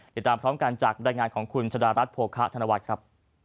เดี๋ยวตามพร้อมกันจากรายงานของคุณชดารัฐโภคะธนวัตรครับ